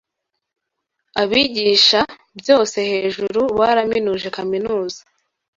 Abigisha Byose hejuru baraminuje kaminuza